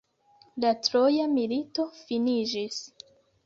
La Troja milito finiĝis.